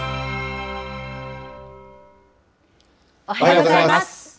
おはようございます。